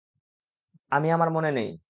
আমি - আমার মনে নেই।